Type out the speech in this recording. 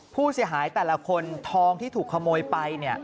ผู้เสียหายแต่ละคนทองที่ถูกขโมยไป